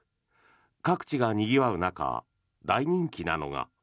各地がにぎわう中大人気なのが。